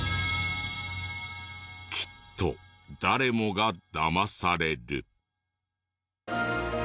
きっと誰もがだまされる。